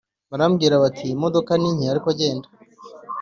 Barambwira bati rero imodoka ni nke ariko genda